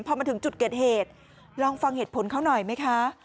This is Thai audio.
พอมาถึงจุดเกิดเหตุลองฟังเหตุผลเขาหน่อยไหมคะ